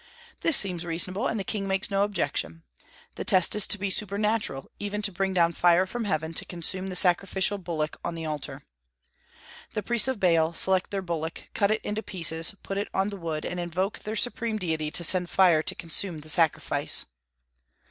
This seems reasonable, and the king makes no objection. The test is to be supernatural, even to bring down fire from heaven to consume the sacrificial bullock on the altar. The priests of Baal select their bullock, cut it in pieces, put it on the wood, and invoke their supreme deity to send fire to consume the sacrifice.